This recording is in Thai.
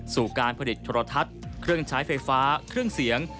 สู่การผลิตโทรทัศน์เครื่องใช้ไฟฟ้าเครื่องเสียง